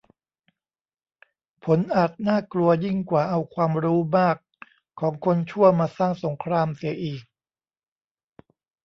ผลอาจน่ากลัวยิ่งกว่าเอาความรู้มากของคนชั่วมาสร้างสงครามเสียอีก